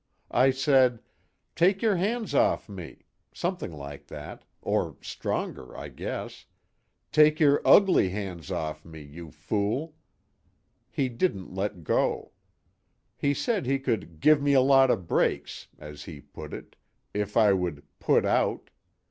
I said: 'Take your hands off me!' something like that or stronger, I guess 'Take your ugly hands off me, you fool!' He didn't let go. He said he could 'give me a lot of breaks,' as he put it, if I would 'put out.'